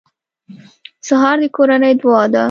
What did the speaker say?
سهار د کورنۍ دعا ده.